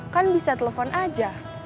kan bisa telfon aja